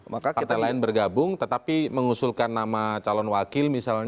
partai lain bergabung tetapi mengusulkan nama calon wakil misalnya